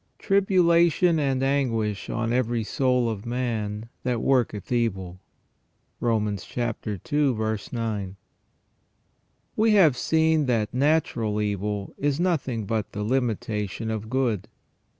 Tribulation and anguish on every soul of man that worketh evil." — Rom. ii. 9. WE have seen that natural evil is nothing but the limitation of good.